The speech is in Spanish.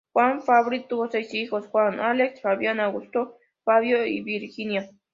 Juan Fabri tuvo seis hijos: Juan, Alex, Fabián, Augusto, Fabio y Virginia.